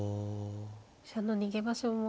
飛車の逃げ場所も。